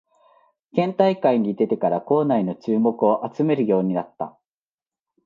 県大会に出てから校内の注目を集めるようになった